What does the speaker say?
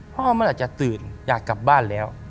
พ่อมันอาจจะตื่นอยากกลับบ้านแล้ว